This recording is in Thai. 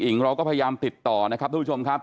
เราก็พยายามติดต่อนะครับทุกผู้ชมครับ